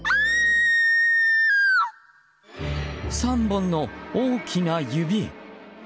３本の大きな指。